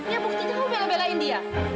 ya buktinya kamu belain belain dia